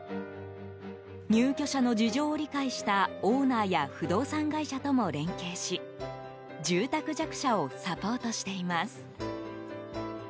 入居者の事情を理解したオーナーや不動産会社とも連携し住宅弱者をサポートしています。